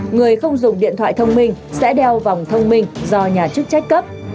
người không dùng điện thoại thông minh sẽ đeo vòng thông minh do nhà chức trách cấp